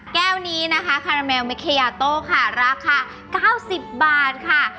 แก้วนี้นะคะคาราเมลเมเคยาโต้ค่ะราคา๙๐บาทค่ะ